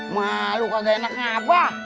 malu kagak enaknya apa